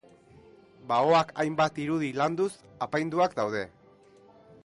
Baoak hainbat irudi landuz apainduak daude.